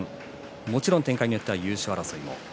もちろん展開によっては優勝争いも。